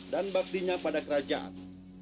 dan baktinya pada kerajaan